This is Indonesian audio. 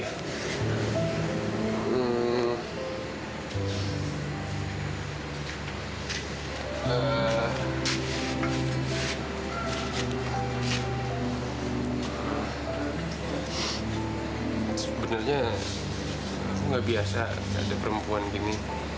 sebenarnya aku nggak biasa ada perempuan gini